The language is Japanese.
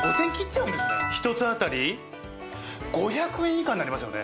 １つ当たり５００円以下になりますよね？